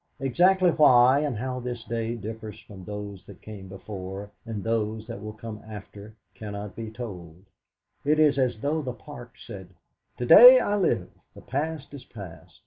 Exactly why and how this day differs from those that came before and those that will come after, cannot be told; it is as though the Park said: 'To day I live; the Past is past.